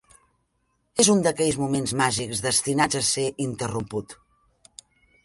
És un d'aquells moments màgics destinats a ser interromput.